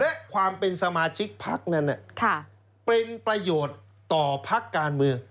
และความเป็นสมาชิกพักนั้นเป็นประโยชน์ต่อพักการเมือง